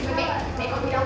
đừng bù đỏ con